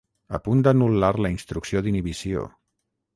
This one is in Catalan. A punt d'anul·lar la instrucció d'inhibició.